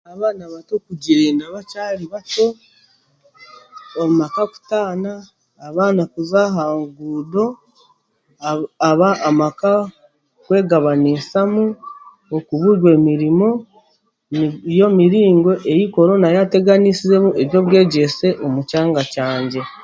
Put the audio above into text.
Abaana bato kugyenda bakyari bato amaka kutaana kuza aha nguudo aba amaka kwebaganisamu okubugwa emirimo niyo miringo ei korona yaateganiisemu eby'obwegyese omu kyanga kyange